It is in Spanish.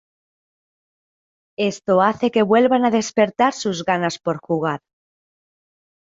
Esto hace que vuelvan a despertar sus ganas por jugar.